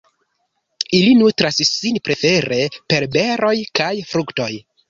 Ili nutras sin prefere per beroj kaj fruktoj.